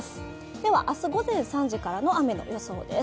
では明日午前３時からの雨の予想です。